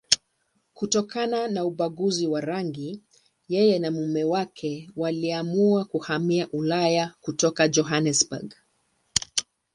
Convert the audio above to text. Kutokana na ubaguzi wa rangi, yeye na mume wake waliamua kuhamia Ulaya kutoka Johannesburg.